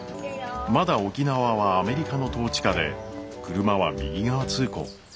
まだ沖縄はアメリカの統治下で車は右側通行